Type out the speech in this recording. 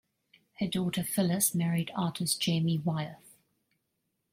Her daughter Phyllis married artist Jamie Wyeth.